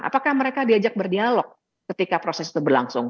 apakah mereka diajak berdialog ketika proses itu berlangsung